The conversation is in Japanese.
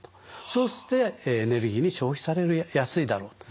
そしてエネルギーに消費されやすいだろうと。